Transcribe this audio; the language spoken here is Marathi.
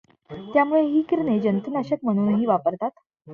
त्यामुळे हि किरणे जंतूनाशक म्हणूनही वापरतात.